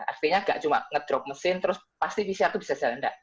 artinya nggak cuma ngedrop mesin terus pasti pcr itu bisa jalan enggak